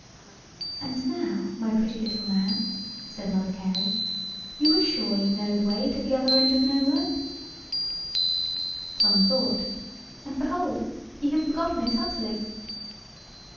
"And now, my pretty little man," said Mother Carey, "you are sure you know the way to the Other end of Nowhere?" Tom thought; and behold, he had forgotten it utterly.